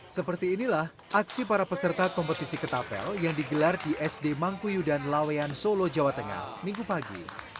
seperti inilah aksi para peserta kompetisi ketapel yang digelar di sd mangkuyu dan lawean solo jawa tengah minggu pagi